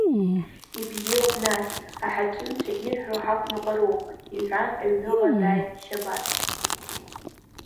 Ибзиоуп нас, аҳақьымцәа ирҳәо ҳақәныҟәароуп, – иҳәан, аҩныҟа дааит Шьабаҭ.